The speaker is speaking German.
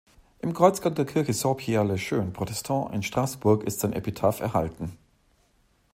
Im Kreuzgang der Kirche Saint-Pierre-le-Jeune protestant in Straßburg ist sein Epitaph erhalten.